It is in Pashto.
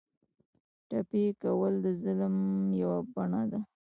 ټپي کول د ظلم یوه بڼه ده.